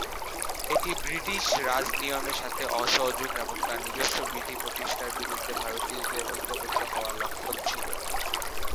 এটি ব্রিটিশ রাজ নিয়মের সাথে অসহযোগ এবং তাদের নিজস্ব বিধি প্রতিষ্ঠার বিরুদ্ধে ভারতীয়দের ঐক্যবদ্ধ হওয়ার লক্ষণ ছিল।